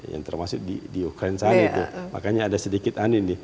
yang termasuk di ukraine saat itu makanya ada sedikit an ini